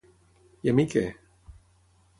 I a mi què?